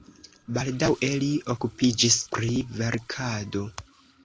Baldaŭe li okupiĝis pri verkado.